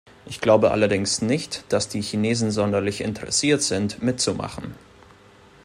Ich glaube allerdings nicht, dass die Chinesen sonderlich interessiert sind, mitzumachen.